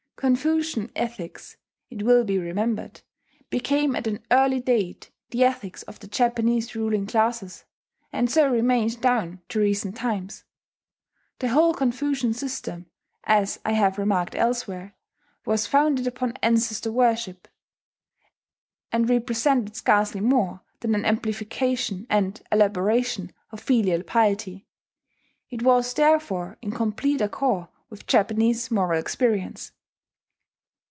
Confucian ethics, it will be remembered, became at an early date the ethics of the Japanese ruling classes, and so remained down to recent times. The whole Confucian system, as I have remarked elsewhere, was founded upon ancestor worship, and represented scarcely more than an amplification and elaboration of filial piety: it was therefore in complete accord with Japanese moral experience.